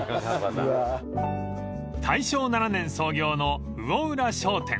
［大正７年創業の魚浦商店］